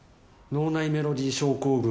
脳内メロディ症候群。